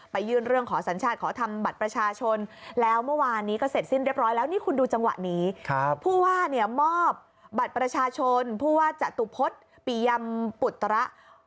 พูดว่าจะตุปฏิปริยำปุฏระ